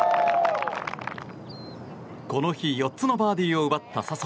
この日４つのバーディーを奪った笹生。